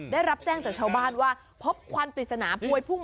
ได้รับแจ้งจากชาวบ้านว่าพบควันปริศนาพวยพุ่ง